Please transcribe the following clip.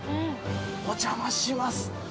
お邪魔します。